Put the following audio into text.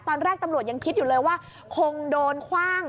ตอนแรกตำรวจยังคิดอยู่เลยว่าคงโดนคว่าง